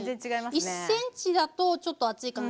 １ｃｍだとちょっと厚いかな。